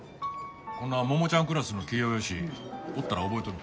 こんな桃ちゃんクラスの器量よしおったら覚えとる。